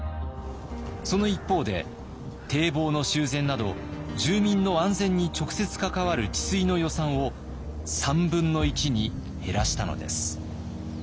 その一方で堤防の修繕など住民の安全に直接関わる治水の予算を３分の１に減らしたのです。